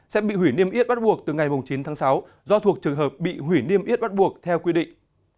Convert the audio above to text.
sẽ bị hủy niêm yết bắt buộc từ ngày chín tháng sáu do thuộc trường hợp bị hủy niêm yết bắt buộc theo quy định